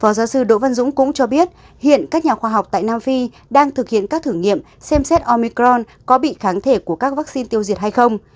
phó giáo sư đỗ văn dũng cũng cho biết hiện các nhà khoa học tại nam phi đang thực hiện các thử nghiệm xem xét omicron có bị kháng thể của các vaccine tiêu diệt hay không